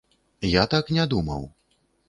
Я так не думаў.